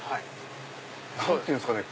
何て言うんすかね。